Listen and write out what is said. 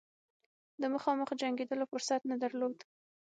د مخامخ جنګېدلو فرصت نه درلود.